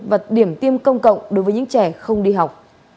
và điểm tiêm công cộng đối với những trẻ không đi học